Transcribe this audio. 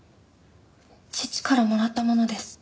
父からもらった物です。